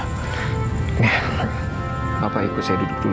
nih bapak ikut saya duduk dulu ya